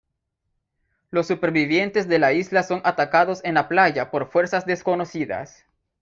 Los supervivientes de la isla son atacados en la playa por fuerzas desconocidas.